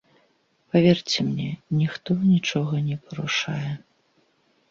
Паверце мне, ніхто нічога не парушае.